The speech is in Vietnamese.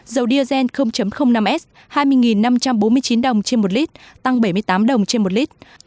dầu diesel năm s hai mươi năm trăm bốn mươi chín đồng trên một lít tăng bảy mươi tám đồng trên một lít